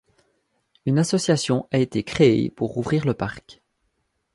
Une association a été créée pour rouvrir le parc.